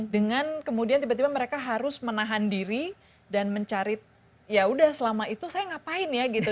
dengan kemudian tiba tiba mereka harus menahan diri dan mencari ya udah selama itu saya ngapain ya gitu